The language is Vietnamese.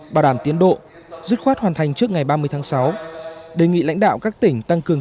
bảo đảm tiến độ dứt khoát hoàn thành trước ngày ba mươi tháng sáu đề nghị lãnh đạo các tỉnh tăng cường